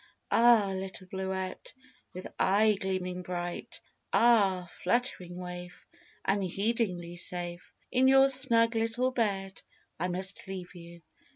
Ah, little Bluette, with eye gleaming bright Ah, fluttering waif, Unheedingly safe In your snug little bed I must leave you.